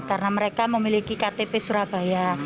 karena mereka memiliki ktp surabaya